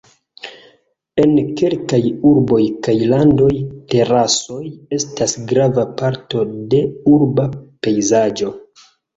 En kelkaj urboj kaj landoj terasoj estas grava parto de urba pejzaĝo.